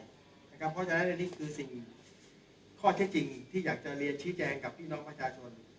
เพราะฉะนั้นอันนี้คือสิ่งข้อเท็จจริงที่อยากจะเรียนชี้แจงกับพี่น้องประชาชน